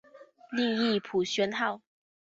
另译朴宣浩。